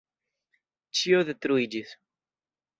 Ĉio detruiĝis.